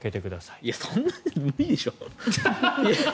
いやそんなの無理でしょ。